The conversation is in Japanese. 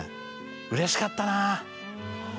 うれしかったな。